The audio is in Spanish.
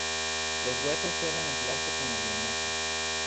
Los huesos suelen emplearse como biomasa.